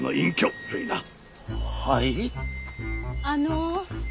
あの。